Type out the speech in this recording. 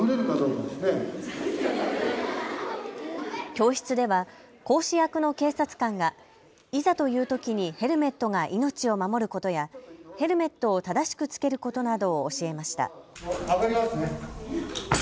教室では講師役の警察官がいざというときにヘルメットが命を守ることやヘルメットを正しく着けることなどを教えました。